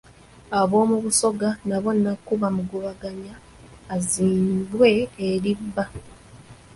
Ab'omu Busoga nabo Nnakku baamugobaganya azzibwe eri bba.